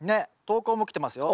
投稿も来てますよ。